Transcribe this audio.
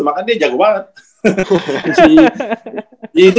maka dia jago banget